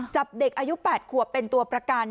จับเด็กอายุ๘ขวบเป็นตัวประกัน